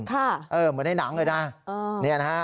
เหมือนในหนังเลยนะ